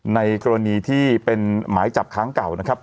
ในกรณีที่เป็นหมายจับค้างเก่านะครับ